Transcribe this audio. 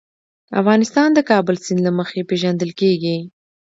افغانستان د د کابل سیند له مخې پېژندل کېږي.